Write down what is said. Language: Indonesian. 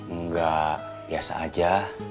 enggak biasa aja